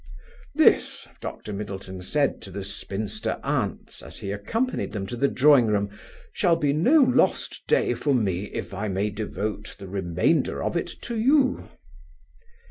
"This," Dr. Middleton said to the spinster aunts, as he accompanied them to the drawing room, "shall be no lost day for me if I may devote the remainder of it to you."